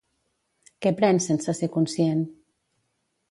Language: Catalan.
Què pren sense ser conscient?